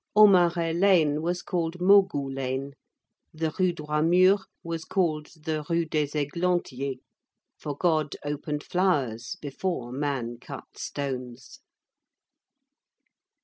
Aumarais Lane was called Maugout Lane; the Rue Droit Mur was called the Rue des Églantiers, for God opened flowers before man cut stones.